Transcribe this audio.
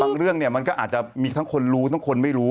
เรื่องเนี่ยมันก็อาจจะมีทั้งคนรู้ทั้งคนไม่รู้